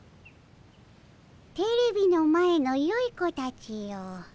テレビの前のよい子たちよ。